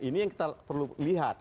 ini yang kita perlu lihat